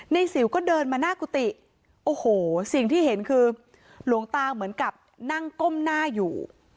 สิวก็เดินมาหน้ากุฏิโอ้โหสิ่งที่เห็นคือหลวงตาเหมือนกับนั่งก้มหน้าอยู่